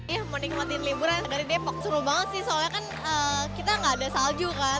ya menikmatin liburan dari depok seru banget sih soalnya kan kita nggak ada salju kan